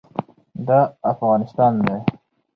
دا افغانستان دی.